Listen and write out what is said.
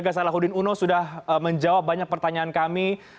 pak sandiaga salahuddin uno sudah menjawab banyak pertanyaan kami